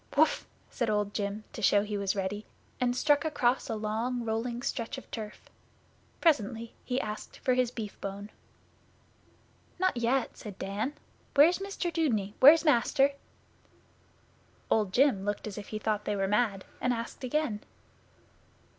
'Whuff!' said Old Jim, to show he was ready, and struck across a long rolling stretch of turf. Presently he asked for his beefbone. 'Not yet,' said Dan. 'Where's Mr Dudeney? Where's Master?' Old Jim looked as if he thought they were mad, and asked again.